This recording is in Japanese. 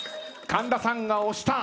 神田さんが押した。